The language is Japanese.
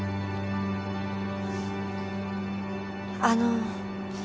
あの。